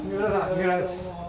⁉三浦です。